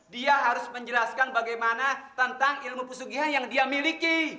dia harus menjelaskan bagaimana tentang ilmu pusugiha yang dia miliki